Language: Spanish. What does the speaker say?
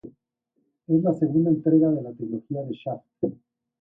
Es la segunda entrega de la trilogía de Shaft.